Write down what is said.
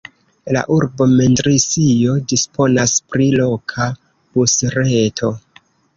La urbo Mendrisio disponas pri loka busreto.